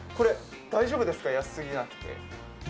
大丈夫ですか、安すぎなくて。